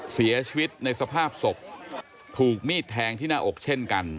เสียชีวิตในสภาพศพถูกมีดแทงที่หน้าอกเช่นกัน